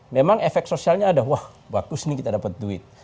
memang efek sosialnya ada wah bagus nih kita dapat duit